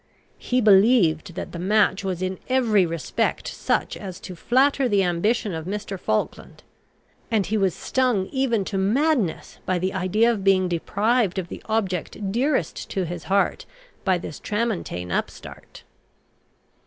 He believed that the match was in every respect such as to flatter the ambition of Mr. Falkland; and he was stung even to madness by the idea of being deprived of the object dearest to his heart by this tramontane upstart.